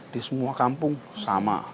di semua kampung sama